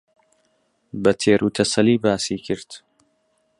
بە تێروتەسەلی باسی کرد